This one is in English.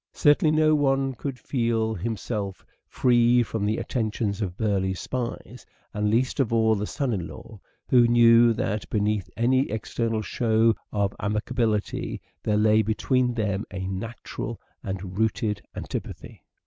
Certainly, no one could feel himself free from the attentions of Burleigh's spies, and least of all the son in law who knew that, beneath any external show of amicability, there lay between them a natural and rooted antipathy.